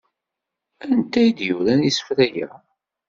Anta ay d-yuran isefra-a?